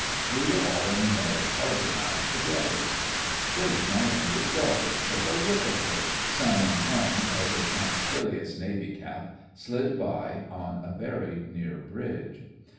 We were all in the narrowed har bour mouth together. "'There's my youngest daughter. 62 THE FRINGES OF THE FLEET Take a look at her!'" some one hummed as a punctilious navy cap slid by on a very near bridge.